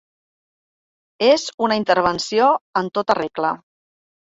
És una intervenció en tota regla.